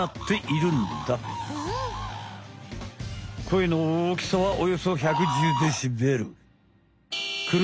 声の大きさはおよそ１１０デシベル。